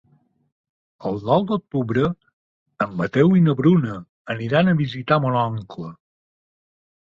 El nou d'octubre en Mateu i na Bruna aniran a visitar mon oncle.